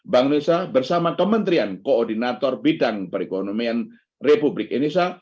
bank indonesia bersama kementerian koordinator bidang perekonomian republik indonesia